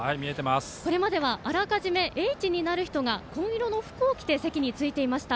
これまではあらかじめＨになる人が紺色の服を着て席についていました